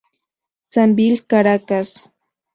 Sambil Caracas.